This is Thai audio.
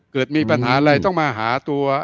เกิดมีปัญหาอะไรต้องมาหาตัว